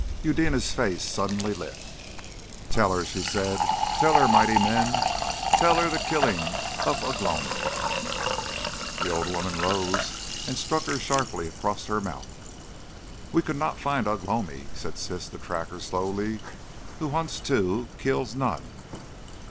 Eudena's face suddenly lit. "Tell her," she said. "Tell her, mighty men! Tell her the killing of Ugh lomi." The old woman rose and struck her sharply across her mouth. "We could not find Ugh lomi," said Siss the Tracker, slowly. "Who hunts two, kills none."